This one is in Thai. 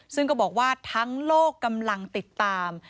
ซึ่งก็บอกว่าทั้งโลกกำลังติดตาม